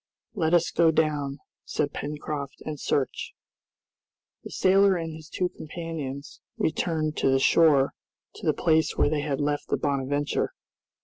"Let us go down," said Pencroft, "and search." The sailor and his two companions returned to the shore, to the place where they had left the "Bonadventure."